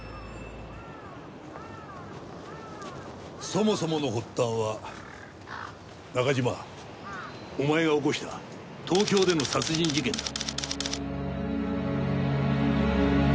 そもそもの発端は中島お前が起こした東京での殺人事件だ。